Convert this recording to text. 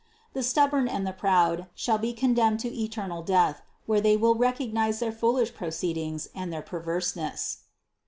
The stubborn and the proud shall be condemned to eternal death, where they will recognize their foolish proceedings and their per verseness."